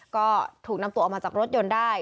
ก็ถูกนำตัวออกมาจากรถยนต์ได้